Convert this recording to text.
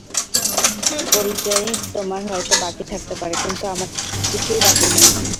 পরিচয় তোমার হয়তো বাকি থাকতে পারে, কিন্তু আমার কিছুই বাকি নেই।